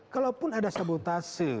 kalaupun ada sabotase